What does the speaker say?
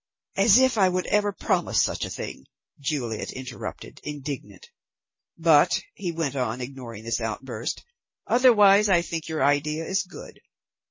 "As if I would ever promise such a thing!" Juliet interrupted, indignant. "But," he went on, ignoring this outburst, "otherwise I think your idea is good.